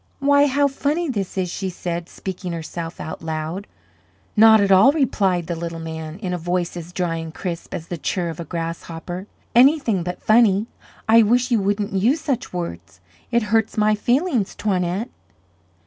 "Why how funny this is!" she said, speaking to herself out loud. "Not at all," replied the little man, in a voice as dry and crisp as the chirr of a grasshopper. "Anything but funny. I wish you wouldn't use such words. It hurts my feelings, Toinette."